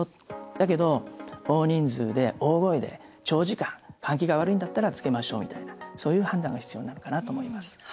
だけど、大人数で大声で長時間、換気が悪いんだったらつけましょう見たいな判断が必要かなと思います。